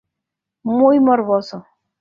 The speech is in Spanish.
Muy morboso.